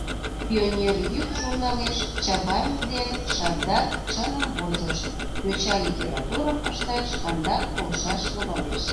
«Пионер йӱк» журналеш Чавайн ден Шабдар чыным возышт: йоча литературым ышташ шкандат полшаш логалеш.